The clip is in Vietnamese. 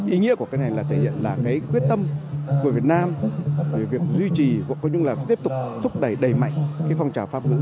ý nghĩa của cái này là thể hiện là cái quyết tâm của việt nam về việc duy trì vô cùng là tiếp tục thúc đẩy đầy mạnh cái phong trào pháp ngữ